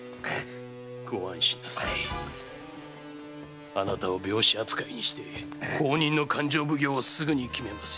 ご安心なさいあなたを病死扱いにして後任の勘定奉行をすぐに決めますよ。